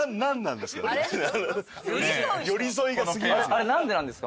あれ何でなんですか？